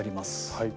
はい。